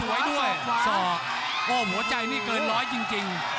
โอ้ตวกสวยด้วยโอ้หัวใจนี่เกินไปจริง